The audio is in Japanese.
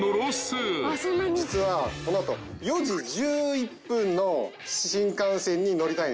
実はこの後４時１１分の新幹線に乗りたいんです。